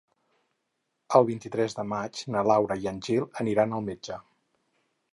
El vint-i-tres de maig na Laura i en Gil aniran al metge.